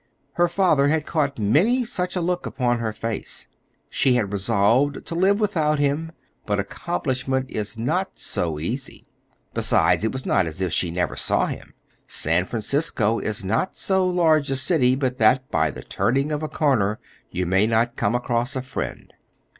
Her father had caught many such a look upon her face. She had resolved to live without him, but accomplishment is not so easy. Besides, it was not as if she never saw him. San Francisco is not so large a city but that by the turning of a corner you may not come across a friend.